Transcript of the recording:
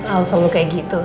al selalu kayak gitu